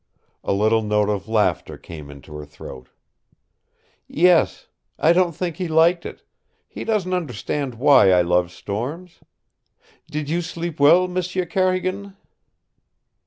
A little note of laughter came into her throat. "Yes. I don't think he liked it. He doesn't understand why I love storms. Did you sleep well, M'sieu Carrigan?"